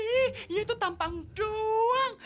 ih dia itu tampang doang